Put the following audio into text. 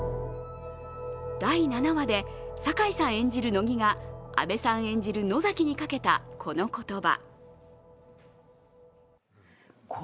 第７話で堺さん演じる乃木が阿部さん演じる野崎にかけたこの言葉。